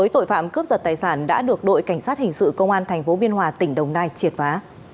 tội phạm cướp giật tài sản đã được đội cảnh sát hình sự công an tp biên hòa tỉnh đồng nai triệt phá